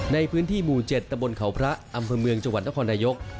ในพื้นที่หมู่๗ตะบนเขาพระอำเภอเมืองจังหวัดนครนายก